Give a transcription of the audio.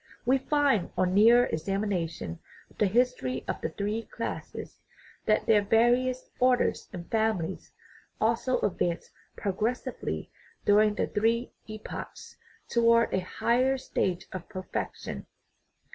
We find, on nearer examination of the history of the three classes, that their various orders and families also advanced progressively during the three epochs towards a higher stage of perfection.